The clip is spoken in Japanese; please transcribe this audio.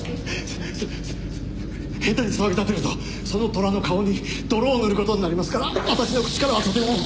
下手に騒ぎ立てるとその虎の顔に泥を塗る事になりますから私の口からはとても。